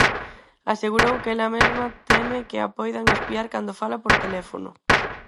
Asegurou que ela mesma teme que a poidan espiar cando fala por teléfono.